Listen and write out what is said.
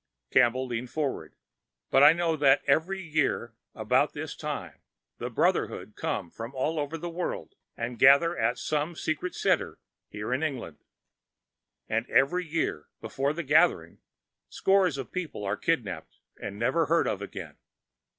Campbell leaned forward. "But I know that every year about this time the Brotherhood come from all over the world and gather at some secret center here in England. And every year, before that gathering, scores of people are kidnapped and never heard of again.